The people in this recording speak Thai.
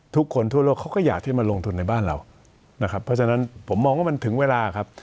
ทุกคนทั่วโลกเขาก็อยากที่มาลงทุนในบ้านเรานะครับเพราะฉะนั้นผมมองว่ามันถึงเวลาครับ